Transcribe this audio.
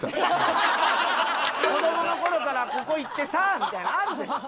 子供の頃からここ行ってさみたいなのあるでしょ！